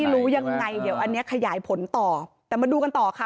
รู้ยังไงเดี๋ยวอันนี้ขยายผลต่อแต่มาดูกันต่อค่ะ